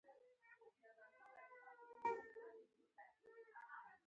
دا رپوټ ریشتیا نه شو.